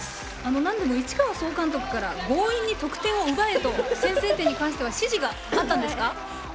なんでも市川総監督から強引に得点を奪えと先制点に関しては指示があったんですか。